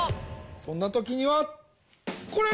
そんなときにはこれ！